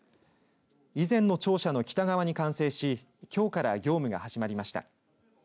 以前の庁舎の北側に完成しきょうから業務が始まりました。